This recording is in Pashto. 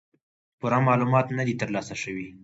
پوره معلومات نۀ دي تر لاسه شوي